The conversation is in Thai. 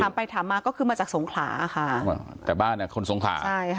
ถามไปถามมาก็คือมาจากสงขาค่ะ